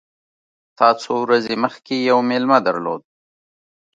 تا څو ورځي مخکي یو مېلمه درلود !